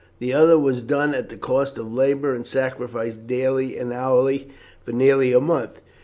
The other was done at the cost of labour and sacrifice daily and hourly for nearly a month.